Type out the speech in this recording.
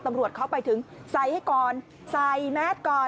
ตำรวจเข้าไปถึงใส่ให้ก่อนใส่แมสก่อน